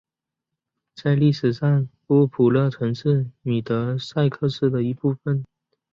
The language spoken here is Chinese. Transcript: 在历史上波普勒曾是米德塞克斯的一部分。